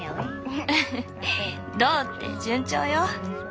フフッどうって順調よ。